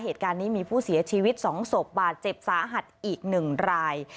เหตุการณ์นี้มีผู้เสียชีวิต๒ศพบาดเจ็บสาหัสอีก๑ราย